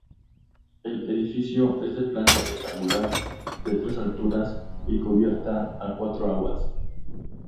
El edificio es de planta rectangular, de tres alturas y cubierta a cuatro aguas.